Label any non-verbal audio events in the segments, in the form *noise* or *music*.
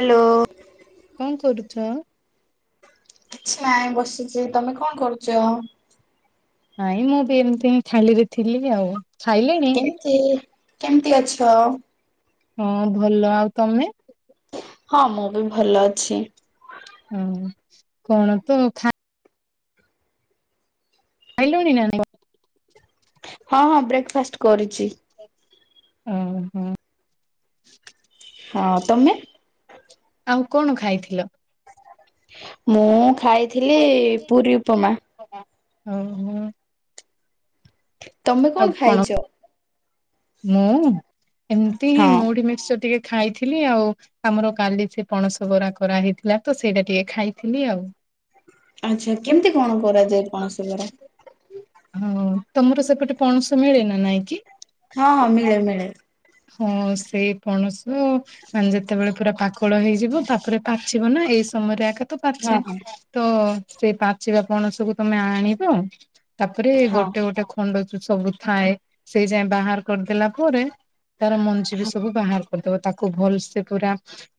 Hello. କଣ କରୁଛ? ଆଚ୍ଛା ଆମେ ବସିଛୁ। ତମେ କଣ କରୁଛ? ନାଇଁ ମୁଁ ବି ଏମିତି ଖାଲି ରେ ଥିଲି ଆଉ। ଖାଇଲେଣି? କେମତି କେମିତି ଅଛ? ହଁ ଭଲ, ଆଉ ତମେ। ହଁ ମୁଁ ବି ଭଲ ଅଛି। ହ କଣ ତ ଖା ଖାଇଲୁଣି ନା ନାଇଁ। ହଁ ହଁ ବ୍ରେକଫାଷ୍ଟ କରିଛି। ଓହଁ। ହଁ ତମେ। ଆଉ କଣ ଖାଇଥିଲ? ମୁଁ ଖାଇଥିଲି ପୁରୀ ଉପମା। ପମା। ଓହୁଁ। ତମେ କଣ ଖାଇଛ? ମୁଁ। ଏମତି ହିଁ ହଁ ମୁଡି ମିକ୍ସଚର ଟିକେ ଖାଇଥିଲି ଆଉ। ଆମର କାଲି ସେ ପଣସ ବରା କରାହଇଥିଲା ତ, ସେଇଟା ଟିକେ ଖାଇଥିଲି ଆଉ। ଆଚ୍ଛା। କେମିତି କଣ କରାଯାଏ ପଣସବରା? ହଁ ତମର ସେପଟେ ପଣସ ମିଳେ ନା ନାଇଁ କିି? ହଁ ହଁ ମିଳେ ମିଳେ। ହଁ ସେଇ ପଣସ, ମାନେ ଯେତେବେଳେ ପୁରା ପାଖ ଫଳ ହେଇଯିବ। ତାପରେ ପାଚିବ ନା। ଏଇ ସମୟରେ ଆଗ ତ ହଁ ପାଚେ। ହଁ ତ ସେ ପାଚିବା ପଣସକୁୁ ତମେ ଆଣିବ, ତାପରେ ହଁ ଗୋଟେ ଗୋଟେ ଖଣ୍ଡ ଯୋଉ ସବୁ ଥାଏ, ସେଇ ଯାଏ ବାହାର କରିଦେଲା ପରେ ତାର ମଞ୍ଜି ବି ସବୁ ବାହାର କରିଦବ, ତାକୁ ଭଲସେ ପୁରା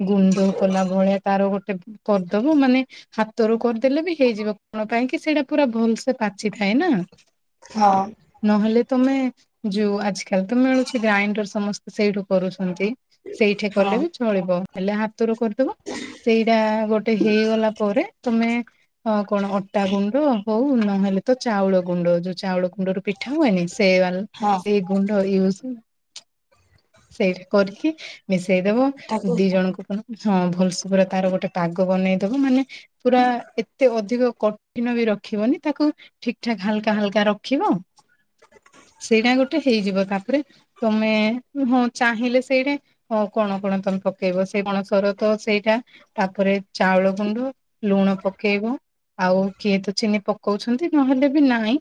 ଗୁଣ୍ଡ କଲା ଭଳିଆ ତାର ଗୋଟେ କରିଦବ, ମାନେ ହାତ ରୁ କରିଦେଲେ ବି ହେଇଯିବ କଣ ପାଇଁ କି ସେଇଟା ପୁରା ଭଲ ସେ ପାଚିଥାଏ ନା। ହଁ। ନହେଲେ ତମେ, ଯୋଉ ଆଜିକାଲି ତ ମିଳୁଛି ଗ୍ରାଇଣ୍ଡର ସମସ୍ତେ ସେଇଠୁ କରୁଛନ୍ତି। ସେଇଠି ହଁ କଲେ ବି ଚଳିବ। ହେଲେ ହାତ ର କରିଦବ। ସେଇଟା ଗୋଟେ ହେଇଗଲା ପରେ ତମେ ହଁ କଣ ଅଟା ଗୁଣ୍ଡ ହଉ ନହେଲେ ତ ଚାଉଳ ଗୁଣ୍ଡ ଯୋଉ ଚାଉଳ ଗୁଣ୍ଡରୁ ପିଠା ହୁଏନି ସେ ହଁ। ଏ ଗୁଣ୍ଡ ୟୁଜ ସେଇଠି କରିକି ମିଶେଇଦବ, ତାକୁ ଦି ଜଣଙ୍କୁ ପଣ ହଁ ଭଲସେପୁରେ ତାର ଗୋଟେ ପାଗ ବନେଇଦବ। ମାନେ ପୁରା ଏତେ ଅଧିକ କଠିନ ବି ରଖିବନି ତାକୁ ଠିକ ଠାକ ହାଲକା ହାଲକା ରଖିବ। ସେଇଟା ଗୋଟେ ହେଇଯିବ। ତାପରେ ତମେ ହଁ ଚାହିଁଲେ ସେଇଟା, ହଁ କଣ କଣ ତମେ ପକେଇବ? ସେଇ କଣ ସର ତ ସେଇଟା ତାପରେ ଚାଉଳ ଗୁଣ୍ଡ ଲୁଣ ପକେଇବ। ଆଉ କିଏ ତ ଚିନି ପକଉଛନ୍ତି, ନହେଲେ ବି ନାହିଁ।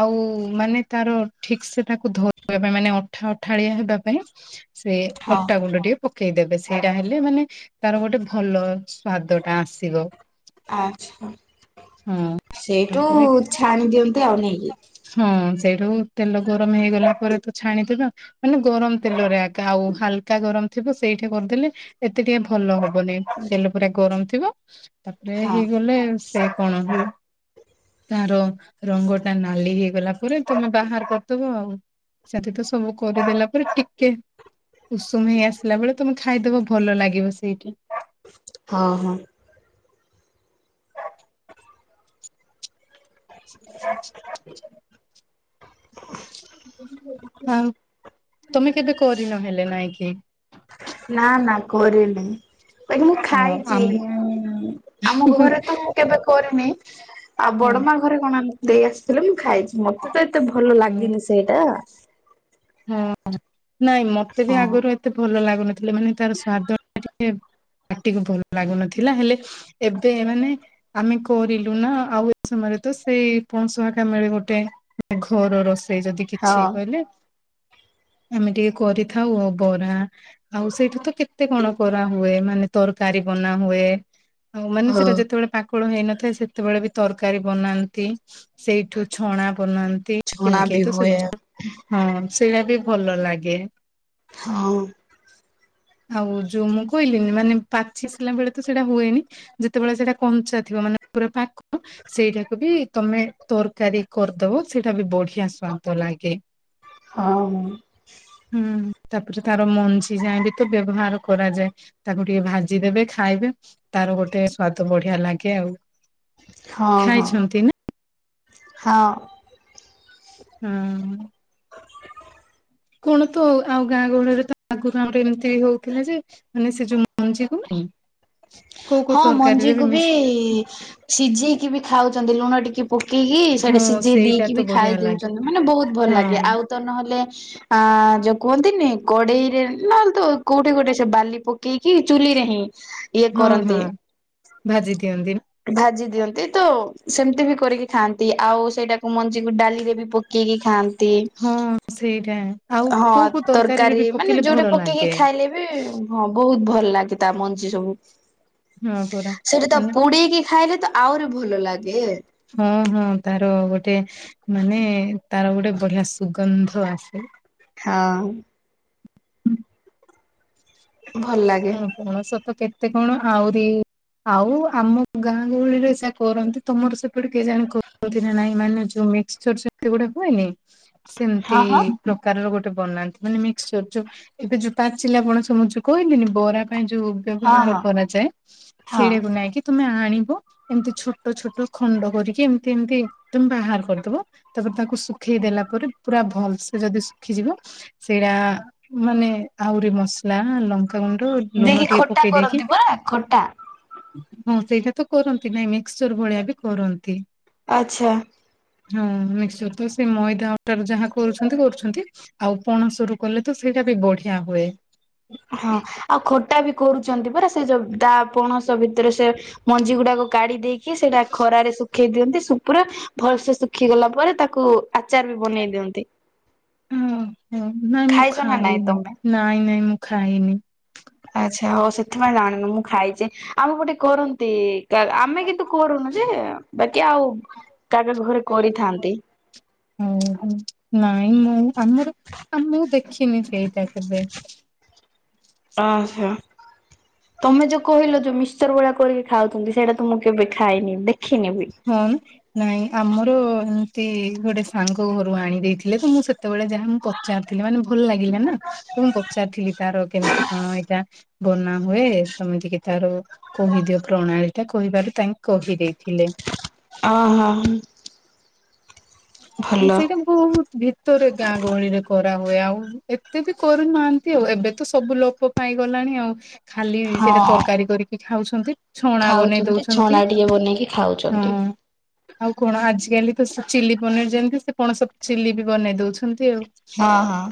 ଆଉ ମାନେ ତାର ଠିକ ସେ ତାକୁ ଧରିବା ପାଇଁ ମାନେ ଅଠା ଅଠାଳିଆ ହେବା ପାଇଁ ପାଇଁ ସେ ହଁ ଅଟା ଗୁଣ୍ଡ ଟଏ ପକେଇଦେବେ, ସେଇଟା ହେଲେ ମାନେ ତାର ଗୋଟେ ଭଲ ସ୍ଵାଦ ଟା ଆସିବ। ଆଚ୍ଛା। ହଁ ସେଇଠୁ ତାପରେ ଛାଣି ଦିଅନ୍ତି ଆଉ ନେଇକି। ହଁ। ସେଇଠୁ ତେଲ ଗରମ ହେଇଗଲା ପରେ ତ ଛାଣିଦେବେ ଆଉ। ମାନେ ଗରମ ତେଲରେ ଆକା ଆଉ ହାଲକା ଗରମ ଥିବ ସେଇଠେ କରିଦେଲେ ଏତେ ଟିକେ ଭଲ ହବନି ତେଲ ପୁରା ଗରମ ଥିବ ତାପରେ ହଁ ହେଇଗଲେ ସେ କଣ କି ତାର ରଙ୍ଗଟା ନାଲି ହେଇଗଲା ପରେ ତମେ ବାହାର କରିଦବ ଆଉ। ସେଠି ତ ସବୁ କରିଦେଲା ପରେ ଟି କେ ଉଷୁମ ହେଇ ଆସିଲା ବେଳେ ତମେ ଖାଇଦବ ଭଲ ଲାଗିବ ସେଇଠି। ହଁ ହଁ। *inaudible* ଆଉ ତମେ କେବେ କରିନ ହେଲେ ନାଇ କିି। ନା ନା କରିନି ବାକି ମୁଁ ହଁ ଖାଇଛି ଆମ ଆମ ଘରେ ହଁ ତ କେବେ କରିନି ଆଉ ବଡ ମା ଘରେ କଣ ଦେଇ ଆସିଥିଲେ ମୁଁ ଖାଇଛି। ମତେ ତ ଏତେ ଭଲ ହଁ ଲାଗେନି ସେଇଟା। ହଁ ନାଇଁ ମତେ ବି ଆଗରୁ ଏତେ ଭଲ ଲାଗୁନଥିଲେ ମାନେ ତାର ସ୍ଵାଦ ଟା ଟିକେ ପାଟିକୁ ଭଲ ଲାଗୁନଥିଲା ହେଲେ ଏବେ ମାନେ ଆମେ କରିଲୁ ନା ଆଉ ଏ ସମୟରେ ତ ସେଇ ପଣସ ଆକା ମିଳେ ଗୋଟେ। ଘରର ସେ ଯଦି କିଛି ହଁ କହିଲେ ଆମେ ଟିକେ କରିଥାଉ ଆଉ ବରା। ଆଉ ସେଇଠୁ ତ କେତେ କଣ କରା ହୁଏ ମାନେ ତରକାରୀ ବନା ହୁଏ। ହଉ ମାନେ ସେଟା ହଁ ଯେତେବେଳେ ପା କଳ ହେଇନଥାଏ ସେତେବେଳେ ବି ତରକାରୀ ବନାନ୍ତି ସେଇଠୁ ଛଣା ବନାନ୍ତି କେହି ଛୋଣା କେହି ବି ତ ସେ ହୁଏ। ହଁ ସେଇଟା ବି ଭଲ ଲାଗେ। *inaudible* ଆଉ ଯୋଉ ମୁଁ କହିଲିିନି ମାନେ ପାଚି ସିଲା ବେଳେ ତ ସେଇଟା ହୁଏନି। ଯେତେବେଳେ ସେଇଟା କଞ୍ଚା ଥିବ ମାନେ ପୁରା ପାଖକୁ ସେଇଟାକୁ ବି ତମେ ତରକାରୀ କରିଦବ ସେଇଟା ବି ବଢିଆ ସ୍ଵାଦ ଲାଗେ। ହଁ ହଁ। ହୁଁ ତାପରେ ତାର ମଞ୍ଜି ଯାଏଁ ବି ତ ବ୍ୟବହାର କରାଯାଏ। ତାକୁ ଟିକେ ଭାଜିଦେବେ ଖାଇବେ ତାର ଗୋଟେ ସ୍ଵାଦ ବଢିଆ ଲାଗେ ଆଉ। ହଁ ହଁ। ଖାଇଛନ୍ତି ନା? ହଁ। ହୁଁ। *inaudible* କଣ ତ ଆଉ ଗାଁ ଗହଳିରେ ତ ଆଗ ଗାଁ ଏମିତି ବି ହଉଥିଲା ଯେ ମାନେ ସେ ଯୋଉ ମଞ୍ଜିକୁ ନାଇଁ କୋଉ କୋଉ ହଁ ମଞ୍ଜି ତରକାରୀରେ କୁ ବି ମିଶି ସିଝେଇକି ବି ଖାଉଛନ୍ତି ଲୁଣ ଟିକେ ପକେଇକି ହଁ ସେଇଟେ ସିଝେଇ ସେଇଟା ଦେଇକି ତ ବି ବଢିଆ ଖାଇ ଲାଗେ ଦେଉଛନ୍ତି ମାନେ ବହୁତ ଭଲ ହଁ ଲାଗେ ଆଉ ତ ନହେଲେ ଆ ଯୋ କୁହନ୍ତିନି କଡେଇରେ ନହେଲେ ତ କୋଉଠି ଗୋଟେ ସେ ବାଲି ପ ପକେଇକି ଚୁଲିରେ ହିଁ ଇଏ ହଁ ହଁ କରନ୍ତି। ଭାଜି ଦିଅନ୍ତି ଭାଜି ଦିଅନ୍ତି ତ ସେମିତି ବି କରିକି ଖାଆନ୍ତି ଆଉ ସେଇଟାକୁ ମଞ୍ଜିକୁ ଡାଲି ରେ ବି ପ ପକେଇକି ଖାଆନ୍ତି ହଁ ସେଇଟା। ଆଉ ହଁ କୋଉ କୋଉ ତରକାରୀରେ ତରକାରୀ ବି ମାନେ ପକେଇଲେ ଯୋଉଟେ ଭଲ ପକେଇକି ଲାଗେ। ଖାଇଲେ ବି ହଁ ବହୁତ ଭଲ ଲାଗେ ତା ମଞ୍ଜି ସବୁ ହଁ ପରା ସେଠି ତ ମାନେ ପୁଡେଇକି ଖାଇଲେ ତ ଆହୁରି ଭଲ ଲାଗେ। ହଁ ହଁ ତାର ଗୋଟେ ମାନେ ତାର ଗୋଟେ ବଢିଆ ସୁଗନ୍ଧ ଆସେ। ହଁ। ଭଲ ଲାଗେ। ଆପଣଙ୍କ ସହିତ କେତେ କଣ ଆହୁରି ଆଉ ଆମ ଗାଁ ଗହଳିରେ ଓସା କରନ୍ତି ତମର ସେପଟେ କେଜାଣି କରନ୍ତି କି ନାଇଁ ମାନେ ଜଉ ଛୋଟ ଛୋଟ *unintelligible* ଗୁଡାକୁ ହେନି ସେମିତି ହଁ ହଁ ପ୍ରକାରର ଗୋଟେ ବନାନ୍ତି ମାନେ ମିକ୍ସିଚର ଯୋଉ ଏବେ ଯୋଉ ପାଚିଲା ପଣସ ମୁଁ ଯଉ କହିଲେନି ବରା ପାଇଁ ଯୋଉ ହଁ ବ୍ୟବହାର ହଁ କରାଯାଏ ହଁ ସେଇଟାକୁ ନେଇକି ତମେ ଆଣିବ ଏମିତି ଛୋଟ ଛୋଟ ଖଣ୍ଡ କରିକି ଏମିତି ଏମିତି ତମେ ବାହାର କରିଦବ। ତାପରେ ତାକୁ ଶୁଖେଇ ଦେଲା ପରେ ପୁରା ଭଲସେ ଯଦି ଶୁଖିଯିବ। ସେରା ମାନେ ଆହୁରି ମସଲା ଲଙ୍କା ଗୁ ଟୁ ଲୁଣ ଦେଇକି ଟିକେ ଖୋଟା ପକେଇ ଦେଇକି କରନ୍ତି ପରା ଖୋଟା ହଁ ସେଇଟା ତ କରନ୍ତି ନାଇଁ ମିକ୍ସିଚର ଭଳିଆ ବି କରନ୍ତି। ଆଚ୍ଛା। ହଁ ମିକ୍ସିଚର ତ ସେ ମଇଦା ଅଟା ରୁ ଯାହା କରୁଛନ୍ତି କରୁଛନ୍ତି ଆଉ ପଣସରୁ କଲେ ତ ସେଇଟା ବି ବଢିଆ ହୁଏ। ହଁ ଆଉ ଖଟା ବି କରୁଛନ୍ତି ପରା ସେ ଯ ଦା ପଣସ ଭିତରେ ସେ ମଞ୍ଜି ଗୁଡାକୁ କାଢି ଦେଇକି ସେଇଟା ଖରାରେ ଶୁଖେଇ ଦିଅନ୍ତି ସୁ ପୁରା ଭଲସେ ଶୁଖି ଗଲା ପରେ ତାକୁ ଆଚାର ବି ବନେଇ ଦିଅନ୍ତି। ଓହୋ ନାଇଁ ମୁଁ ଖାଇଛ ନା ନାଇଁ ଖାଇନି ତମେ? ନାଇଁ ନାଇଁ ମୁଁ ଖାଇନି। ଆଚ୍ଛା ହଉ ସେଥିପାଇଁ ଜାଣିନି ମୁଁ ଖାଇଛି ଆମ ଗୋଟେ କରନ୍ତି। ଆମେ କିନ୍ତୁ କରୁନୁ ଯେ ବାକି ଆଉ କା ଘରେ କରିଥାନ୍ତି। ହୁଁ। ହୁଁ ହୁଁ ନାଇଁ ମୁଁ ଆମର ମୁଁ ଦେଖିନି ସେଇଟା କେବେ। ଅହ। ତମେ ଯୋଉ କହିଲ ଯୋଉ ମିକ୍ସିଚର ଗୁଡାକ କରିକି ଖାଉଛନ୍ତି ସେଇଟା ତ ମୁଁ କେବେ ଖାଇନି ଦେଖିନି ବି। ହୁଁ। ନାଇଁ ଆମର ଏମିତି ଗୋଟେ ସାଙ୍ଗ ଘରୁ ଆଣି ଦେଇେଇଥିଲେ ତ ମୁଁ ସେତେବେଳେ ଯାହା ମୁଁ କ ଚାରି ଥିଲେ ମାନେ ଭଲ ଲାଗିଲେ ନା। ତ ମୁଁ ପଚାରିଥିଲି ତାର କେମିତି କଣ ଏଇଟା ବନା ହୁଏ ତମେ ଟିକେ ତାର କହିଦିଅ ପ୍ରଣାଳୀ ଟା କହିବାରୁ ତାଙ୍କେ କହି ଦେଇେଇଥିଲେ। ଅ ହଁ ହଁ। ମୁଁ ସେଇଟା ବହୁତ ଭିତରେ ଗାଁ ଗହଳିରେ କରାହୁୁଏ ଆଉ ଏତେ ବି କରୁନାହାନ୍ତି ଆଉ ଏବେ ତ ସବୁ ଲୋପ ପାଇଗଲାଣି ଆଉ। ଖାଲି ହଁ। ସେଟା ତରକାରୀ କରିକି ଖାଉଛନ୍ତି ଛଣା ବନେଇ ଖାଉଛନ୍ତି ଦଉଛନ୍ତି ଛଣା ଟିକେ ବନେଇକି ହଁ। ଖାଉଛନ୍ତି। ଆଉ କଣ ଆଜିକାଲି ତ ସ ଚିଲି ପନିର ଯେମିତି ସେ ପଣସ ଚିଲି ବି ବନେଇ ଦଉଛନ୍ତି ଆଉ। ହଁ ହଁ।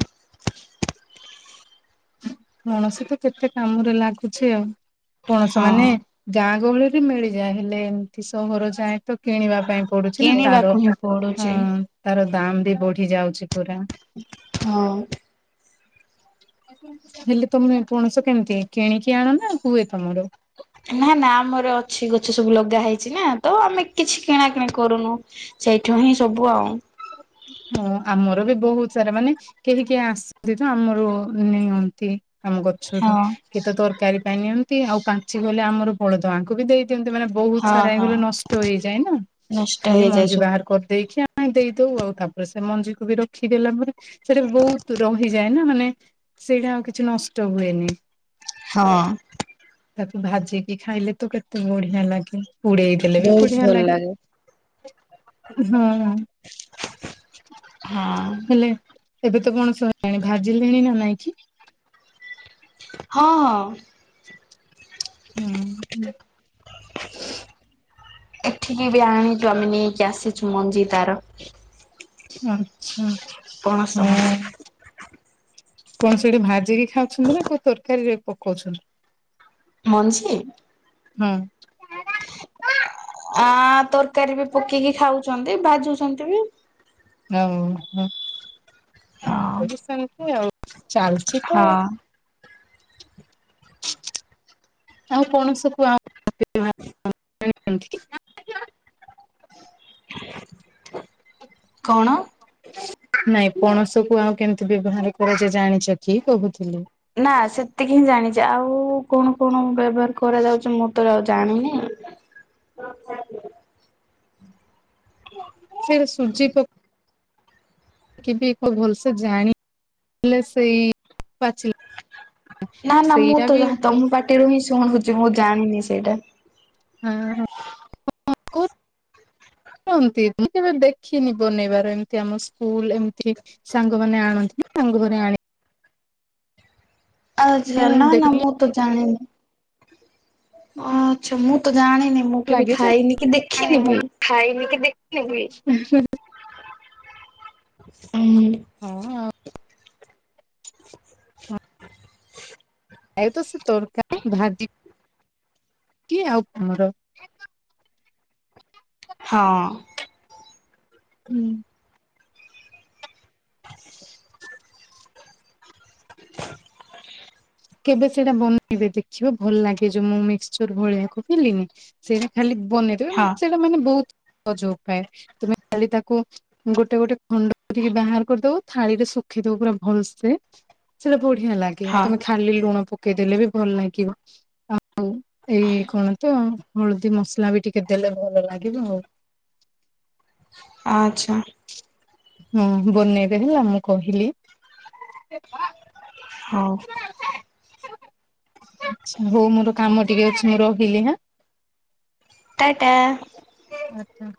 ପଣସ ତ କେତେ କାମରେ ଲାଗୁଛି ଆଉ ପଣସ ମାନେ ହଁ ଗାଁ ଗହଳିରେ ମିଳିଯାଏ ହେଲେ ଏମିତି ସହର ଯାଏ ତ କିଣିବା ପାଇଁ ପଡୁଛି ନା ତାର କିଣିବାକୁ ହିଁ ହଁ ପଡୁଛି। ତାର ଦାମ ବି ବଢି ଯାଉଛି ପୁରା। ହଁ। ହେଲେ ତମେ ପଣସ କେମିତି କିଣିକି ଆଣ ନା ହୁଏ ତମର? ନା ନା ଆମର ଅଛି ଗଛ ସବୁ ଲଗା ହେଇଛି ନା ତ ଆମେ କିଛି କିଣା କିିଣି କରୁନୁ। ସେଇଠୁ ହିଁ ସବୁ ଆଉ। ହଁ ଆମରବି ବହୁତ୍ ସାରା ମାନେ କେହି କେହି ଆସନ୍ତି ଦେଖ ଆମର ନିଅନ୍ତି। ଆମ ହଁ ଗଛରୁ କିଏତ ତରକାରୀ ପାଇଁ ନିଅନ୍ତି ଆଉ ପାଚି ଗଲେ ଆମର ବଳଦଆଙ୍କୁବି ଦେଇ ଦିଅନ୍ତି ମାନେ ବହୁତ୍ ହଁ ସାରା ହଁ ହେଇଗଲେ ନଷ୍ଟ ହେଇଯାଏନା ନଷ୍ଟ ଖାଲି ହେଇଯାଏ ମଞ୍ଜି ସବୁ। ବାହାର କରିଦେଇକି ଆମେ ଦେଇ ଦଉ ଆଉ ତାପରେ ସେମଞ୍ଜିକୁବି ରଖିଦଲା ପରେ ସେଟା ବହୁତ୍ ରହିଯାଏନା ମାନେ ସେଇଟା ଆଉ କିଛି ନଷ୍ଟ ହୁଏନି। ହଁ। ତାକୁ ଭାଜିକି ଖାଇଲେତ କେତେ ବଢ଼ିଆ ଲାଗେ ପୁଡ଼େଇ ଦେଲେବି ବହୁତ ବଢ଼ିଆ ଭଲ ଲାଗେ। ହଁ। ହଁ। ବେଲେ ଏବେତ କଣ ସରିଲାଣି ଭାଜିଲେଣିନା ନାଇଁକିି? ହଁ ହଁ। ହୁଁ ହୁଁ। *inaudible* ଏଠିକିବି ଆଣଛୁ ଆମେ ନେଇକି ଆସିଛୁ ମଞ୍ଜି ତାର। ଆଚ୍ଛା। ପଣସ ମଞ୍ଜି। ହଁ କଣ ସେଇଠି ଭାଜିକି ଖାଉଛନ୍ତିନା କୋଉ ତରକାରୀରେ ପକଉଛନ୍ତି? ମଞ୍ଜି? ହଁ। ଆ ତରକାରୀରେ ପକେଇକି ଖାଉଚନ୍ତି ଭାଜୁଚନ୍ତିବି। ଓହୋ ହଁ। ଆମରବି ସେମିତି ଆଉ ଚାଲିଚିତ। ଆଉ କଣ ସବୁ ଆ *unintelligible* କଣ? ନାଇଁ ପଣସକୁ ଆଉ କେମିତି ବ୍ୟବହାର କରାଯାଏ ଜାଣିଚକି କହୁଥିଲି? ନା ସେତିକିହିଁ ଜାଣିଚି ଆଉ କଣ କଣ ବ୍ୟବହାର କରାଯାଉଛି ମୁଁତ ଆଉ ଜାଣିନି ସେରା ସୁଜି ପ ବି ଭଲସେ ଜାଣିଲେ ସେଇ ପାଚିଲା ନା ନା ସେଇଟା ମୁଁତ ବି ଯା ତମ ପାଟିରୁହିଁ ଶୁଣୁଚି ମୁଁ ଜାଣିନି ସେଇଟା। ଉଁ ହୁଁ *unintelligible* *inaudible* କୁହନ୍ତି ମୁ କେବେ ଦେଖିନି ବନେଇବାର ଏମିତି ଆମ ସ୍କୁଲ୍ ଏମିତି ସାଙ୍ଗ ମାନେ ଆଣନ୍ତି ସାଙ୍ଗ ଘରେ ଆଣି ଆଜା ମୁଁ ନା ନା ଦେଖିଲି ମୁଁତ ଜାଣିନି। ଆଚ୍ଛା ମୁଁତ ଜାଣିନି ମୁଁ କେବେ ଖାଇନିକି ଦେଖିନିବି। ଖାଇନିକି ଦେଖନିବି। ହୁଁ। ହୁଁ। ଆଉତସେ ତରକାରୀ ଭାଜି କିଏ ଆଉ ତମର ହଁ। ହୁଁ। କେବେ ସେଇଟା ବନେଇବେ ଦେଖିବ ଭଲ ଲାଗେଯେ ମୁଁ ମିକ୍ସଚର ଭଳିଆ କହିଲି ସେଇଟା ଖାଲି ହଁ ବନେଇଦବେ ସେଇଟା ମାନେ ବହୁତ୍ ସହଯ ଉପାଏ ତମେ ଖାଲି ତାକୁ ଗୋଟେ ଗୋଟେ ଖଣ୍ଡ ଟିକେ ବାହାର କରିଦବ ଥାଳିରେ ଶୁଖେଇଦବ ପୁରା ଭଲସେ ସେଇଟା ବଢିଆ ଲାଗେ ହଁ ତମେ ଖାଲି ଲୁଣ ପକେଇଦେଲେ ବି ଭଲଲାଗିବ ଆ ଉ ଏଇ କଣ ତ ହଳଦୀ ମସଲା ବି ଟିକେ ଦେଲେ ଭଲ ଲାଗିବ ଆଉ ଆଛା ମୁଁ ବନେଇବେ ହେଲା ମୁଁ କହିଲି ହଉ ବୋଉ ମୋର କାମ ଟିକେ ଅଛି ମୁଁ ରହିଲି ହେଁ ଟା ଟା ଆଛା